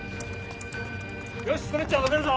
よしストレッチャー乗せるぞ！